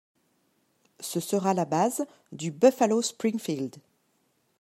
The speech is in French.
Ce sera la base du Buffalo Springfield.